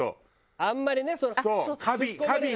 あんまりね。